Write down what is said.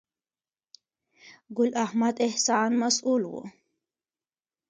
ګل احمد احسان مسؤل و.